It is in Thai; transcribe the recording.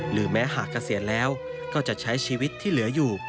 แม้หากเกษียณแล้วก็จะใช้ชีวิตที่เหลืออยู่